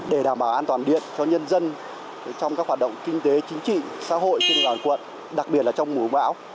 để đảm bảo an toàn điện cho nhân dân trong các hoạt động kinh tế chính trị xã hội trên toàn quận đặc biệt là trong mùa bão